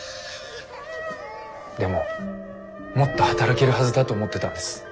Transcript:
でももっと働けるはずだと思ってたんです。